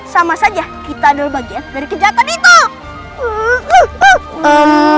sama saja kita adalah bagian dari kejahatan itu